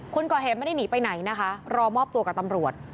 คนก่อเหตุไม่ได้หนีไปไหนนะคะรอมอบตัวกับตำรวจ